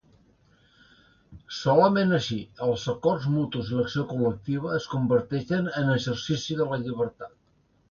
Solament així, els acords mutus i l'acció col·lectiva es converteixen en exercici de la llibertat.